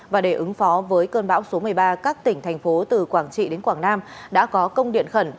và để ứng phó với cơn bão số một mươi ba các tỉnh thành phố từ quảng trị đến quảng nam đã có công điện khẩn